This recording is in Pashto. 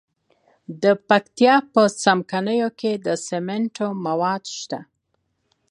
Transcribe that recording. د پکتیا په څمکنیو کې د سمنټو مواد شته.